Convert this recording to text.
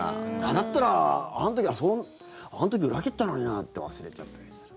だったらあの時裏切ったのになって忘れちゃったりする。